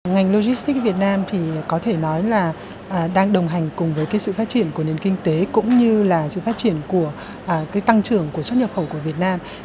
ngành logistics việt nam thì có thể nói là đang đồng hành cùng với sự phát triển của nền kinh tế cũng như là sự phát triển của tăng trưởng của xuất nhập khẩu của việt nam